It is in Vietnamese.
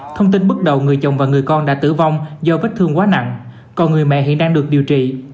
thông tin bước đầu người chồng và người con đã tử vong do vết thương quá nặng còn người mẹ hiện đang được điều trị